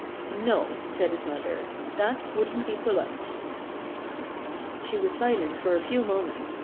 "No!" said his mother. "That wouldn't be polite." She was silent for a few moments.